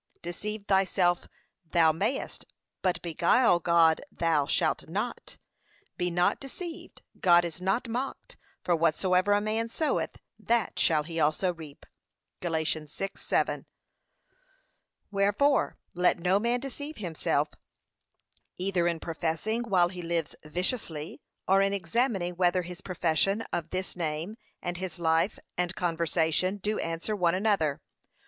Deceive thyself thou mayest, but beguile God thou shalt not. 'Be not deceived, God is not mocked: for whatsoever a man soweth, that shall he also reap.' (Gal. 6:7) Wherefore let no man deceive himself, either in professing while he lives viciously, or in examining whether his profession of this name, and his life, and conversation, do answer one another.